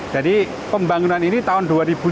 jadi pembangunan ini tahun dua ribu lima belas